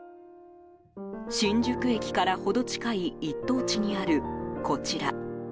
新宿駅から程近い一等地にあるこちら。